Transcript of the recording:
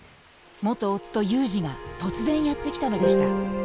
元夫祐二が突然やって来たのでした。